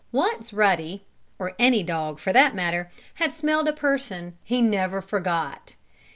Once Ruddy (or any dog, for that matter) had smelled a person, he never forgot.